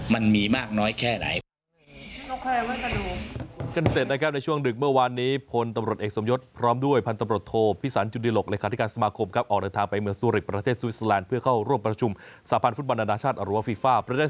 มันมีมากน้อยแค่ไหน